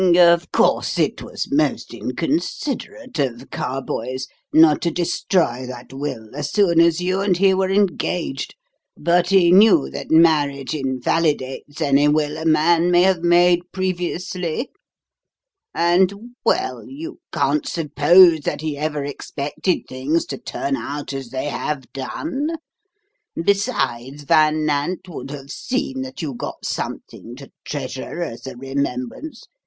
Of course, it was most inconsiderate of Carboys not to destroy that will as soon as you and he were engaged; but he knew that marriage invalidates any will a man may have made previously, and well, you can't suppose that he ever expected things to turn out as they have done. Besides, Van Nant would have seen that you got something to treasure as a remembrance.